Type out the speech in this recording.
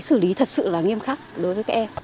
xử lý thật sự là nghiêm khắc đối với các em